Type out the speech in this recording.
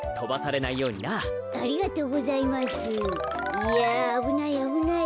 いやあぶないあぶない。